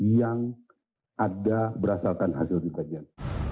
yang ada berasalkan hasil penerimaan